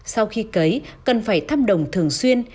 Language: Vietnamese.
sau khi cấy cần phải thăm đồng thường xuyên